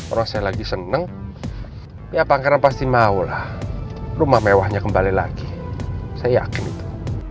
orang saya lagi seneng ya pangeran pasti maulah rumah mewahnya kembali lagi saya yakin itu